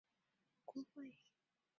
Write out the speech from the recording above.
其中也有未加入联合会的独立工会。